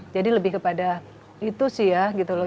jadi lebih kepada itu sih ya gitu loh